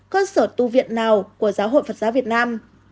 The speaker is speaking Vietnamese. cơ sở tu viện nào của giáo hội phật giáo việt nam